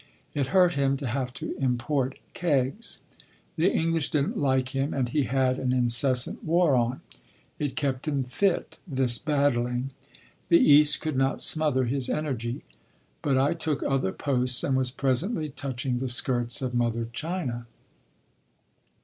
It hurt him to have to import kegs. The English didn’t like him and he had an incessant war on. It kept him fit, this battling. The East could not smother his energy.... But I took other posts and was presently touching the skirts of Mother China.